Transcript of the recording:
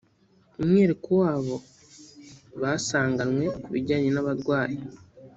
umwihariko wabo basanganywe kubijyanye n’abarwayi